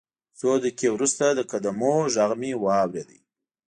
څو دقیقې وروسته د قدمونو غږ مې واورېد